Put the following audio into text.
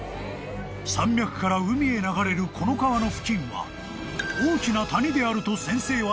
［山脈から海へ流れるこの川の付近は大きな谷であると先生は予測］